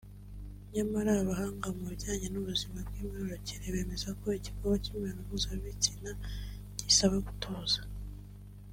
nyamara abahanga mu bijyanye n’ubuzima bw’imyororokere bemeza ko igikorwa kimibonano mpuzabitsina gisaba gutuza